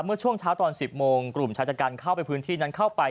เมื่อช่วงเช้าตอน๑๐โมงกลุ่มชายจัดการเข้าไปพื้นที่นั้นเข้าไป